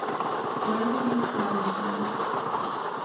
Where have you sprung from?